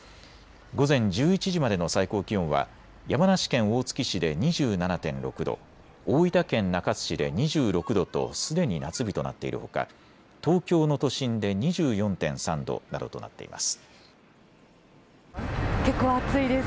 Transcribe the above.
午前１１時までの最高気温は山梨県大月市で２７．６度、大分県中津市で２６度とすでに夏日となっているほか東京の都心で２４．３度などとなっています。